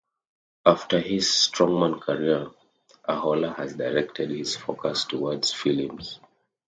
After his strongman career, Ahola has directed his focus towards films.